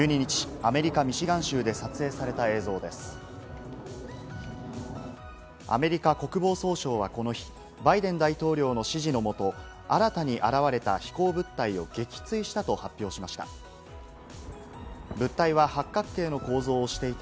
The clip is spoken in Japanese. アメリカ国防総省はこの日、バイデン大統領の指示のもと、新たに現れた飛行物体を撃墜したと発表しました。